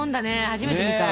初めて見た。